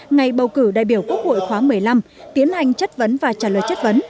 ngày bầu cử đại biểu quốc hội khóa một mươi năm tiến hành chất vấn và trả lời chất vấn